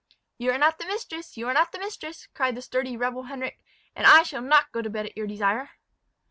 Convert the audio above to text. "You are not the mistress you are not the mistress!" cried the sturdy rebel Henric; "and I shall not go to bed at your desire."